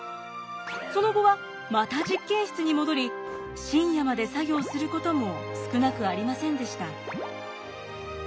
その後はまた実験室に戻り深夜まで作業することも少なくありませんでした。